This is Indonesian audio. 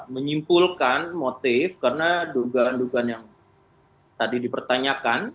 menyimpulkan motif karena dugaan dugaan yang tadi dipertanyakan